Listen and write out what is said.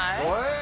え！